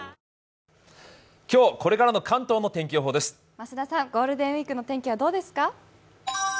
増田さん、ゴールデンウイークの天気はいかがですか？